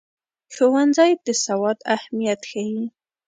ښوونځی د سواد اهمیت ښيي.